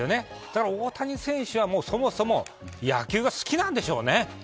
だから大谷選手はそもそも野球が好きなんでしょうね。